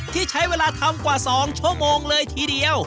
ที่ใช้เวลาทำกว่า๒ชั่วโมงเลยทีเดียว